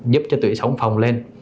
giúp cho tủy sống phồng lên